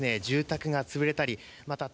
住宅が潰れたり。